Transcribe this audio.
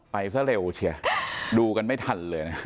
ซะเร็วเชียดูกันไม่ทันเลยนะ